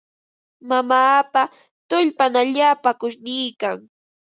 Mamaapa tullpan allaapa qushniikan.